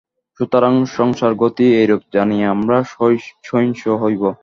সুতরাং সংসারগতি এইরূপ জানিয়া আমরা সহিষ্ণু হইব।